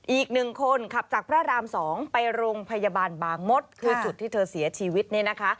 อีกหนึ่งคนขับจากพระราม๒ไปโรงพยาบาลบางมดคือจุดที่เธอเสียชีวิตเนี่ยนะคะ